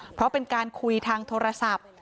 เพราะเป็นการคุยทางโทรศัพท์